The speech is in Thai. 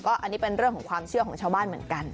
อันนี้เป็นเรื่องของความเชื่อของชาวบ้านเหมือนกัน